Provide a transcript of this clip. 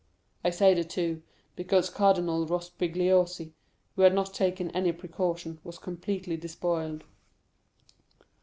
I say the two, because Cardinal Rospigliosi, who had not taken any precaution, was completely despoiled.